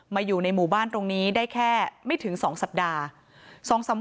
อยู่ในหมู่บ้านตรงนี้ได้แค่ไม่ถึง๒สัปดาห์